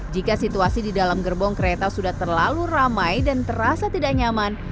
jika situasi di dalam gerbong kereta sudah terlalu ramai dan terasa tidak nyaman